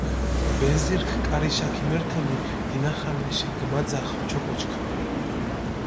ვეზირქ კარიშა ქიმერთჷნი, დინახალეშე გჷმაძახჷ ოჩოკოჩქ.